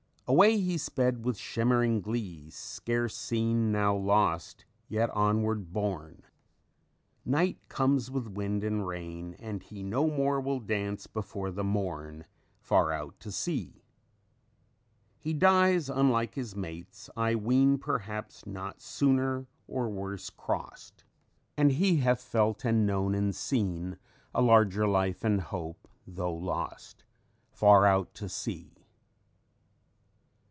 _ "_Away he sped, with shimmering glee, Scarce seen, now lost, yet onward borne! Night comes with wind and rain, and he No more will dance before the morn, Far out at sea._ "_He dies, unlike his mates, I ween Perhaps not sooner or worse crossed; And he hath felt and known and seen A larger life and hope, though lost Far out at sea.